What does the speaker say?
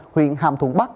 huyện hàm thuận bắc